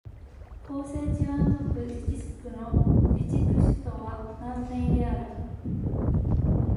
広西チワン族自治区の自治区首府は南寧である